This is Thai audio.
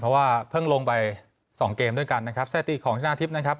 เพราะว่าเพิ่งลงไป๒เกมด้วยกันนะครับไส้ตีของชนะอาทิบนะครับ